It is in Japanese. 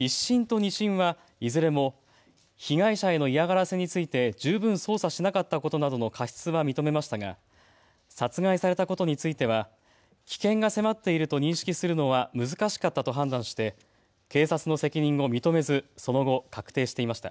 １審と２審はいずれも被害者への嫌がらせについて十分捜査しなかったことなどの過失は認めましたが、殺害されたことについては危険が迫っていると認識するのは難しかったと判断して警察の責任を認めずその後、確定していました。